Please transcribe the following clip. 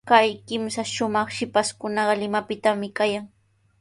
Kay kimsa shumaq shipashkunaqa Limapitami kayan.